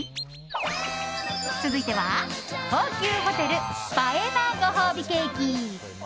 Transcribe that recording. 続いては高級ホテル、映えなご褒美ケーキ。